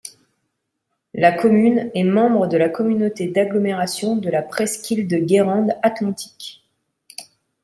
La commune est membre de la communauté d'agglomération de la Presqu'île de Guérande Atlantique.